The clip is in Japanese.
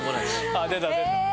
ああ出た出た。